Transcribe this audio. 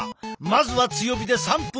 まずは強火で３分加熱。